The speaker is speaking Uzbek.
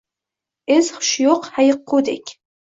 Es-hushi yo’q hayiqqudak